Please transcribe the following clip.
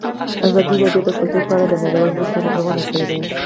ازادي راډیو د کلتور په اړه د نړیوالو مرستو ارزونه کړې.